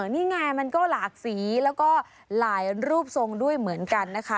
นี่ไงมันก็หลากสีแล้วก็หลายรูปทรงด้วยเหมือนกันนะคะ